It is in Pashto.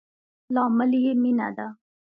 لامل يي مينه ده